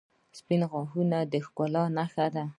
• سپین غاښونه د ښکلا نښه ده.